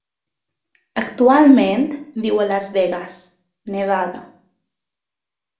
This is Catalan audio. Actualment viu a Las Vegas, Nevada.